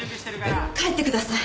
帰ってください。